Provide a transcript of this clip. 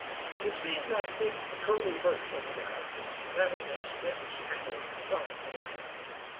"Ye've seen thet big curly birch over thar thet 'un as bends kind of sorrowful like.